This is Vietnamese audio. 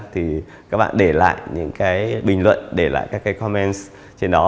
thì các bạn để lại những cái bình luận để lại các cái comment trên đó